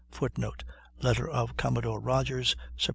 [Footnote: Letter of Commodore Rodgers, Sept.